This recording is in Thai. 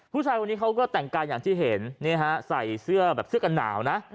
ผู้ชายคนนี้เขาก็แต่งกายอย่างที่เห็นใส่เสื้อแบบเสื้อกันหนาวนะ